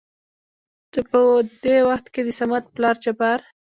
نو په د وخت کې دصمد پلار جبار